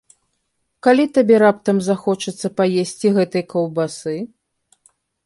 Калі табе раптам захочацца паесці гэтай каўбасы?